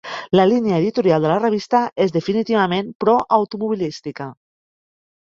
La línia editorial de la revista és definitivament pro-automobilística.